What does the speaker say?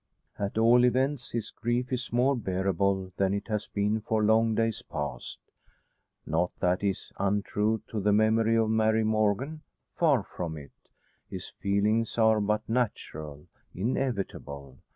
At all events his grief is more bearable than it has been for long days past. Not that he is untrue to the memory of Mary Morgan. Far from it. His feelings are but natural, inevitable.